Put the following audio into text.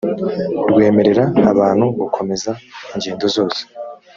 rwemerera abantu gukomeza ingendo zose.